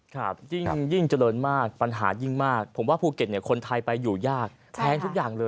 ครับยิ่งเจริญมากปัญหายิ่งมากผมว่าภูเก็ตเนี่ยคนไทยไปอยู่ยากแพงทุกอย่างเลย